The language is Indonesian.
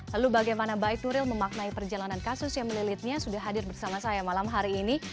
lalu bagaimana baik nuril memaknai perjalanan kasus yang melilitnya sudah hadir bersama saya malam hari ini